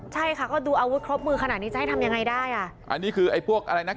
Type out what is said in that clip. ใช่คะก็ดูอารวิสแล้วเมื่อขาดนี้ได้ทำยังไงได้อ่ะ